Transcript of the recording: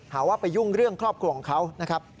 หาว่าไปยุ่งเรื่องครอบครัวของเขานะครับ